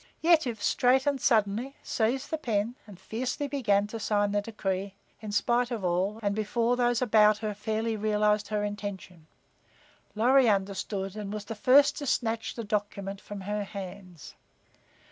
Yetive straightened suddenly, seized the pen and fiercely began to sign the decree, in spite of all and before those about her fairly realized her intention. Lorry understood, and was the first to snatch the document from her hands.